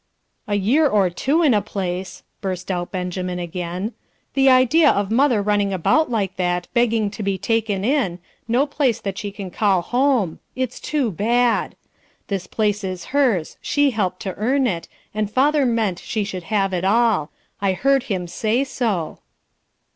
"A year or two in a place," burst out Benjamin again. "The idea of mother running about like that, begging to be taken in, no place that she can call home; it's too bad! This place is hers, she helped to earn it, and father meant she should have it all; I heard him say so."